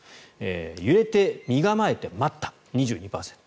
揺れて身構えて待った２２％。